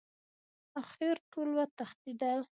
اخر ټول وتښتېدل.